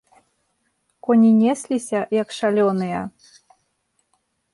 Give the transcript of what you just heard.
Коні несліся, як шалёныя.